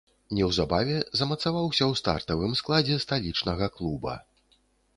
Неўзабаве замацаваўся ў стартавым складзе сталічнага клуба.